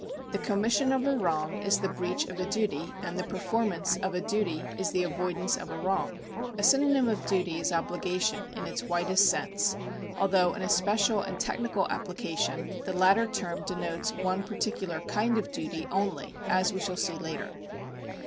The commission of a wrong is the breach of a duty, and the performance of a duty is the avoidance of a wrong, A synonym of duty is obligation, in its widest sense, although in a special and technical application the latter term denotes one particular kind of duty only, as we shall see later.